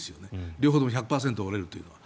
両方とも１００％折れるというのは。